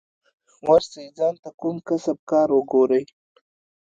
ورسئ ځان ته کوم کسب کار وگورئ.